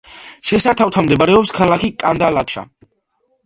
შესართავთან მდებარეობს ქალაქი კანდალაკშა.